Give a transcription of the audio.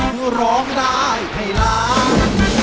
ดูร้องได้ให้ร้าง